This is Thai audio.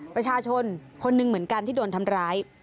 ประชาชนคนหนึ่งเหมือนกันที่โดนทำร้าย